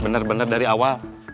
bener bener dari awal